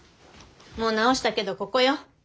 もう直したけどここよ。